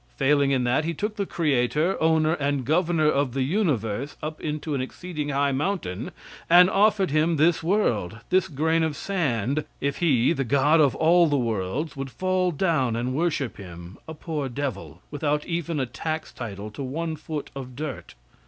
Failing in that, he took the creator, owner and governor of the universe up into an exceeding high mountain, and offered him this world this grain of sand if he, the God of all the worlds, would fall down and worship him, a poor devil, without even a tax title to one foot of dirt!